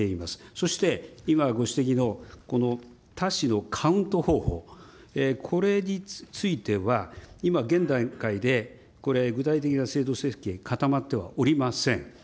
そして、今ご指摘のこの多子のカウント方法、これについては、今、現段階で、これ、具体的な制度設計、固まってはおりません。